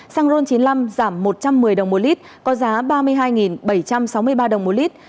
xăng ron chín mươi năm giảm một trăm một mươi đồng một lít có giá ba mươi hai bảy trăm sáu mươi ba đồng một lít